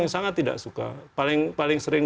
yang sangat tidak suka paling sering